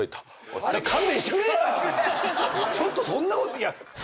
ちょっとそんなこと。